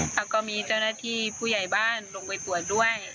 แล้วก็มีเจ้าหน้าที่ผู้ใหญ่บ้านลงไปตรวจด้วย